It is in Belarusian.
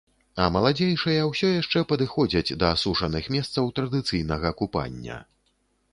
А маладзейшыя ўсё яшчэ падыходзяць да асушаных месцаў традыцыйнага купання.